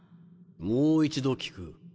もう一度聞く